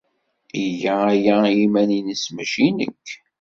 Iga aya i yiman-nnes, maci i nekk.